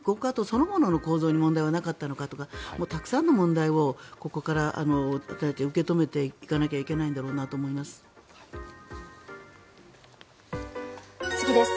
そのものの構造に問題はなかったのかとかたくさんの問題をここから私たちは受け止めていかなければいけないんだろうと思います。